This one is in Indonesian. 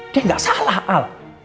dia gak salah al